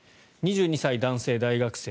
２２歳、男性大学生。